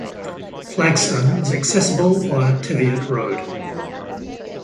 Flagstone is accessible via Teviot Road.